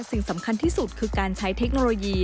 สิ่งสำคัญที่สุดคือการใช้เทคโนโลยี